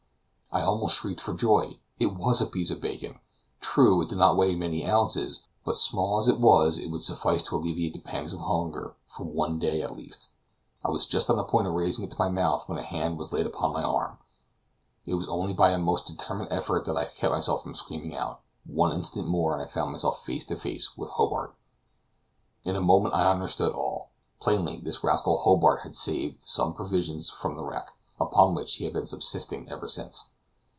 I almost shrieked for joy. It was a piece of bacon. True, it did not weigh many ounces, but small as it was it would suffice to alleviate the pangs of hunger for one day at least. I was just on the point of raising it to my mouth, when a hand was laid upon my arm. It was only by a most determined effort that I kept myself from screaming out. One instant more, and I found myself face to face with Hobart. In a moment I understood all. Plainly this rascal Hobart had saved some provisions from the wreck, upon which he had been subsisting ever since.